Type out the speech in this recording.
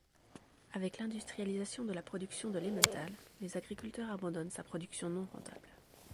Avec l'industrialisation de la production de l'emmental, les agriculteurs abandonnent sa production non rentable.